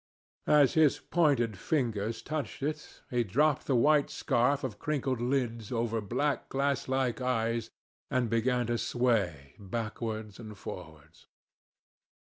As his pointed fingers touched it, it dropped the white scurf of crinkled lids over black, glasslike eyes and began to sway backwards and forwards.